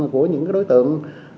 của những đối tượng